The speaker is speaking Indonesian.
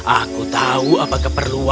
aku tahu apakah perlunya